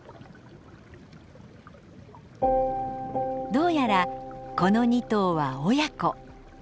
どうやらこの２頭は親子。